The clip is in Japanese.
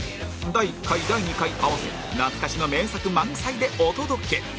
第１回第２回合わせ懐かしの名作満載でお届け